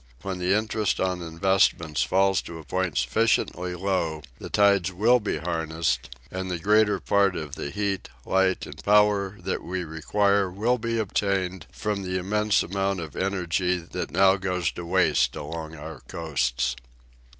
When the interest on in vestments falls to a point sufficiently low, the tides will be harnessed and the greater part of the heat, light, and power that we require will be obtained from the immense amount of energy that now goes to waste along our coasts.